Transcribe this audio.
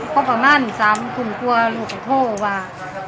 เพราะประมาณสามคุณกลัวรู้ข้อโทษว่า